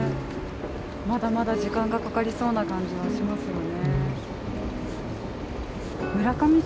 まだまだ時間がかかりそうな感じはしますよね